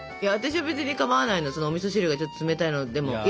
私は別にかまわないのおみそ汁がちょっと冷たいのでも。